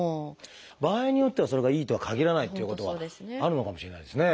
場合によってはそれがいいとはかぎらないということはあるのかもしれないですね。